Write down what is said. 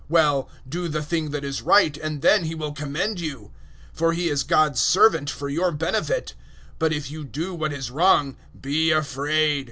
Well, do the thing that is right, and then he will commend you. 013:004 For he is God's servant for your benefit. But if you do what is wrong, be afraid.